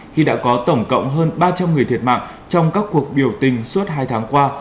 khi đã có tổng cộng hơn ba trăm linh người thiệt mạng trong các cuộc biểu tình suốt hai tháng qua